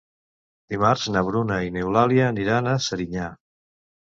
Dimarts na Bruna i n'Eulàlia aniran a Serinyà.